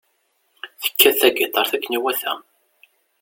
Tekkat tagitaṛt akken iwata.